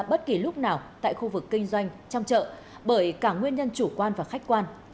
bất kỳ lúc nào tại khu vực kinh doanh trong chợ bởi cả nguyên nhân chủ quan và khách quan